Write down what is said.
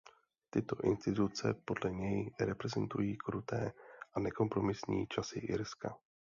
Tyto instituce podle něj reprezentují „kruté a nekompromisní časy Irska“.